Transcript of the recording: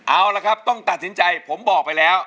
เอาละครับต้องตัดสินใจผมบอกไปแล้ว